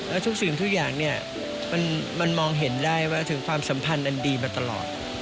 แล้วทุกสิ่งทุกอย่างเนี่ยมันมองเห็นได้ว่าถึงความสัมพันธ์อันดีมาตลอด